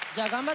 頑張れ！